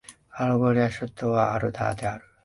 アンゴラの首都はルアンダである